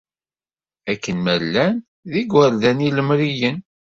Akken ma llan d igerdan ilemriyen.